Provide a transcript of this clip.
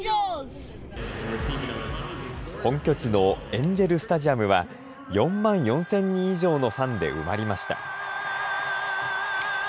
本拠地のエンジェルスタジアムは４万４０００人以上のファンで埋まりました。